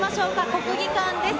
国技館です。